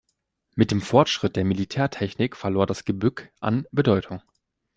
Mit dem Fortschritt der Militärtechnik verlor das Gebück an Bedeutung.